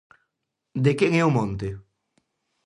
De quen é o monte?